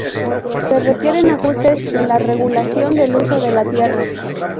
Se requieren ajustes en la regulación del uso de la tierra.